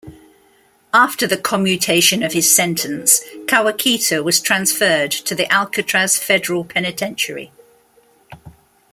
After the commutation of his sentence, Kawakita was transferred to the Alcatraz Federal Penitentiary.